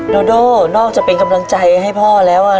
โดโดนอกจะเป็นกำลังใจให้พ่อแล้วอะ